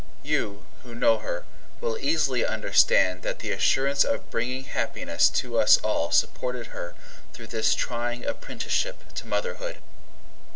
You, who know her, will easily understand that the assurance of bringing happiness to us all supported her through this trying apprenticeship to motherhood.